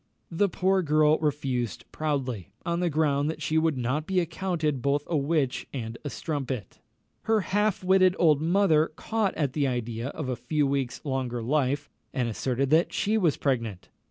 The poor girl refused proudly, on the ground that she would not be accounted both a witch and a strumpet. Her half witted old mother caught at the idea of a few weeks' longer life, and asserted that she was pregnant.